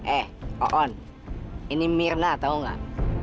eh oon ini mirna tau gak